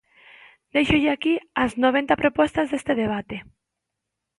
Déixolle aquí as noventa propostas deste debate.